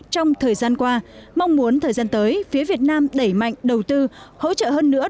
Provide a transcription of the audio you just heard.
trong thời gian qua mong muốn thời gian tới phía việt nam đẩy mạnh đầu tư hỗ trợ hơn nữa